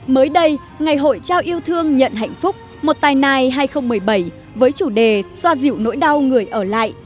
mới đây ngày hội trao yêu thương nhận hạnh phúc một tài năng hai nghìn một mươi bảy với chủ đề xoa dịu nỗi đau người ở lại